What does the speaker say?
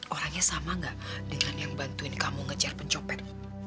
orangnya sama gak dengan yang bantuin kamu ngejar pencopet